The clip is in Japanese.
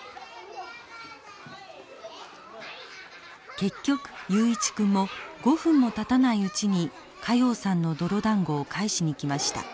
結局雄一君も５分もたたないうちに加用さんの泥だんごを返しにきました。